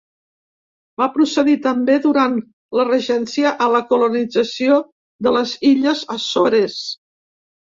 Va procedir també, durant la regència, a la colonització de les illes Açores.